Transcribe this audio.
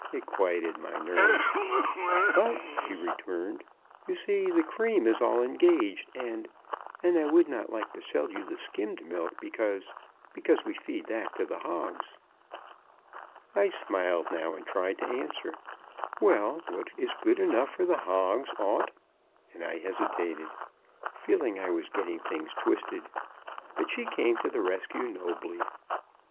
It quieted my nerves. "But," she returned, "you see, the cream is all engaged, and and I would not like to sell you the skimmed milk, because because we feed that to the hogs." I smiled now and tried to answer. "Well, what is good enough for hogs ought ," and I hesitated, feeling I was getting things twisted; but she came to the rescue nobly.